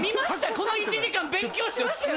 この１時間勉強しましたよね？